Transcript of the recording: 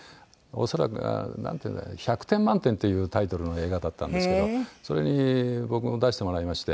恐らく『百点満点』っていうタイトルの映画だったんですけどそれに僕も出してもらいまして。